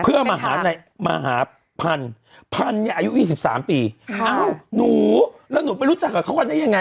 เพื่อมาหาในมหาพันธุ์พันธุ์เนี่ยอายุ๒๓ปีอ้าวหนูแล้วหนูไปรู้จักกับเขากันได้ยังไง